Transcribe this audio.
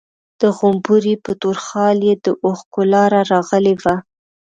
د غومبري په تور خال يې د اوښکو لاره راغلې وه.